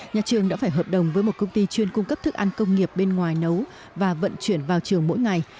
nhà trường đã phải hợp đồng với một công ty chuyên cung cấp thức ăn công nghiệp bên ngoài nấu và vận chuyển vào trường mỗi ngày